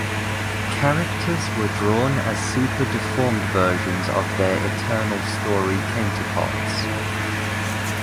Characters were drawn as super deformed versions of their Eternal Story counterparts.